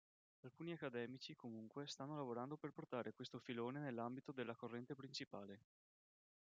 Alcuni accademici, comunque, stanno lavorando per portare questo filone nell'ambito della corrente principale.